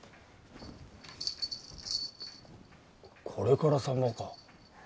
これから産婆か？